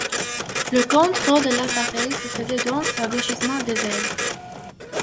Le contrôle de l’appareil se faisait donc par gauchissement des ailes.